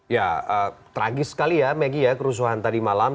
ya tragis sekali ya megi ya kerusuhan tadi malam